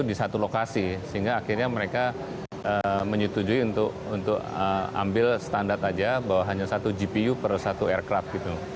jadi kita harus memiliki lokasi sehingga akhirnya mereka menyetujui untuk ambil standar saja bahwa hanya satu gpu per satu aircraft